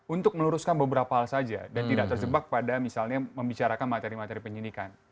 untuk meluruskan beberapa hal saja dan tidak terjebak pada misalnya membicarakan materi materi penyidikan